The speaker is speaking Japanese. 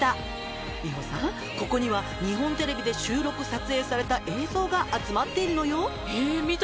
ここには日本テレビで収録撮影された映像が集まっているのよえっ！